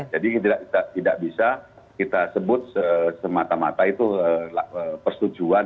jadi tidak bisa kita sebut semata mata itu persetujuan